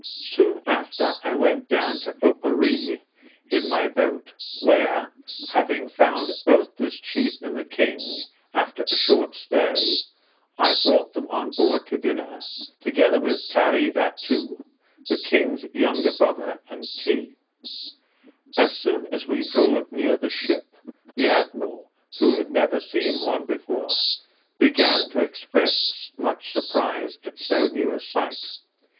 Soon after I went down to Oparree in my boat, where, having found both this chief and the king, after a short stay, I brought them on board to dinner, together with Tarevatoo, the king's younger brother, and Tee. As soon as we drew near the ship, the admiral, who had never seen one before, began to express much surprise at so new a sight.